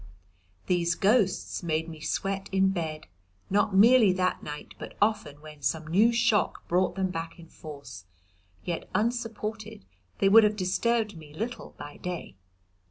These ghosts made me to sweat in bed, not merely that night, but often when some new shock brought them back in force, yet, unsupported, they would have disturbed me little by day.